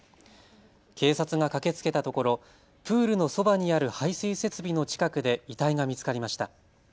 警察が駆けつけたところプールのそばにある排水設備の近くで遺体が見つかりました。